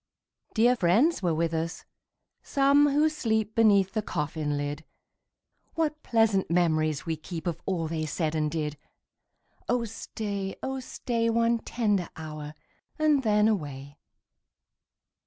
Dear friends were with us, some who sleep Beneath the coffin lid : What pleasant memories we keep Of all they said and did ! Oh stay, oh stay, One tender hour, and then away.